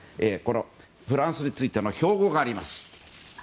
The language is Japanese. フランスについての標語があります。